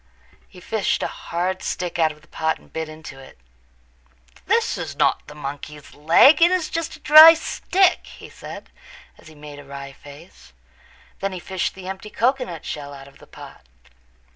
He fished a hard stick out of the pot and bit into it. "This is not the monkey's leg. It is just a dry stick," he said, as he made a wry face. Then he fished the empty cocoanut shell out of the pot.